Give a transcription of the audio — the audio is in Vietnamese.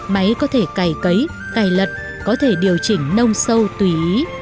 máy có thể cày cấy cày lật có thể điều chỉnh nông sâu tùy ý